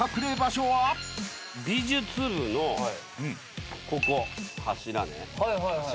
美術部のここ柱ね。